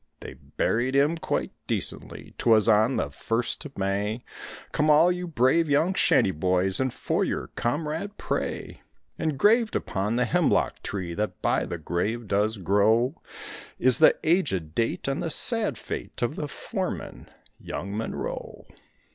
They buried him quite decently; 'twas on the first of May; Come all you brave young shanty boys and for your comrade pray. Engraved upon the hemlock tree that by the grave does grow Is the aged date and the sad fate of the foreman, young Monroe.